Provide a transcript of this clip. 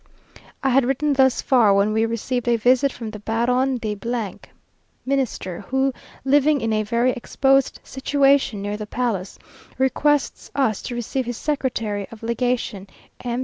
I had written thus far, when we received a visit from the Baron de , Minister, who, living in a very exposed situation, near the palace, requests us to receive his secretary of legation, M.